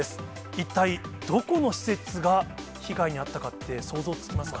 一体どこの施設が被害に遭ったかって、想像つきますか？